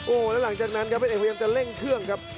แล้วหลังจากนั้นครับพระเอกพยายามจะเร่งเครื่องครับ